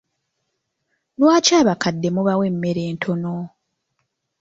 Lwaki abakadde mubawa emmere ntono?